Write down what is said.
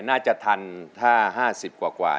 น่าจะทันถ้า๕๐กว่า